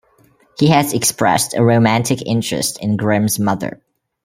He has expressed a romantic interest in Grimm's mother.